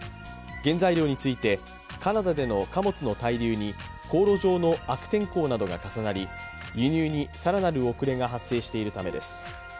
原材料について、カナダでの貨物の滞留に航路上の悪天候などが重なり輸入に更なる遅れが発生しているためです。